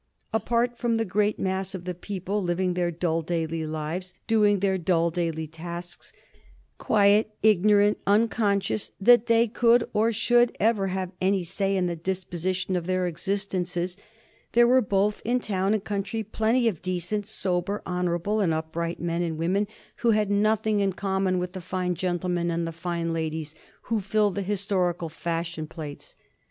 Apart from the great mass of the people, living their dull daily lives, doing their dull daily tasks, quiet, ignorant, unconscious that they could or should ever have any say in the disposition of their existences, there were both in town and country plenty of decent, sober, honorable, and upright men and women who had nothing in common with the fine gentlemen and the fine ladies who fill the historical fashion plates.